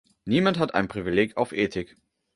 Niemand hat ein Privileg auf Ethik.